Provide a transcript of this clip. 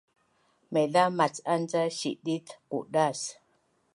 Maiza mac’an ca sidit qudas